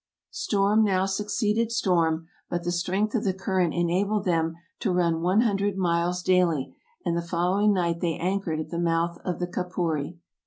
Storm now succeeded storm, but the strength of the current enabled them to run one hundred miles daily, and the following night they anchored at the mouth of the Capuri.